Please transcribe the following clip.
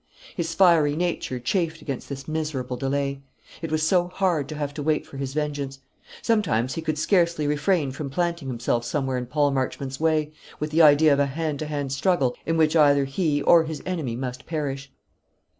His fiery nature chafed against this miserable delay. It was so hard to have to wait for his vengeance. Sometimes he could scarcely refrain from planting himself somewhere in Paul Marchmont's way, with the idea of a hand to hand struggle in which either he or his enemy must perish.